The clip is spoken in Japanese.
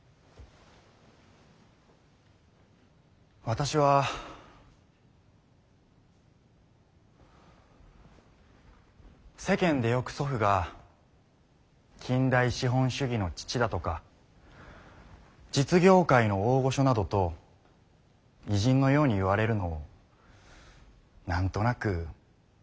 私は世間でよく祖父が「近代資本主義の父」だとか「実業界の大御所」などと偉人のように言われるのを何となく的外れな批評に思っておりました。